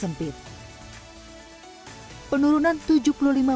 sehingga produk tersebut sudah dikumpulkan oleh pemerintah